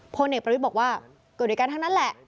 พลเอกประวิทย์บอกว่าเกิดด้วยกันทั้งนั้นแหละ